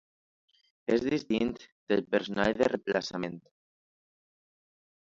És distint del personal de reemplaçament.